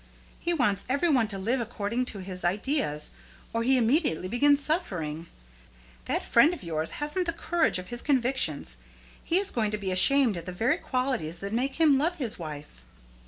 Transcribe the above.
He wants every one to live according to his ideas, or he immediately begins suffering. That friend of yours hasn't the courage of his convictions. He is going to be ashamed of the very qualities that made him love his wife."